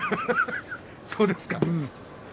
そうですか。